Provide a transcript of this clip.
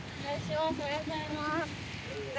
おはようございます